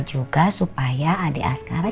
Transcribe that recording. juga supaya adik asgara